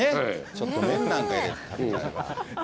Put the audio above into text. ちょっと麺なんか入れて食べたいな。